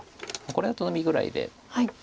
これだとノビぐらいで。